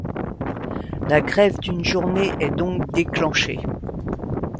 La grève d'une journée est donc déclenchée.